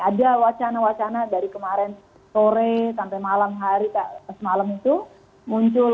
ada wacana wacana dari kemarin sore sampai malam hari semalam itu muncul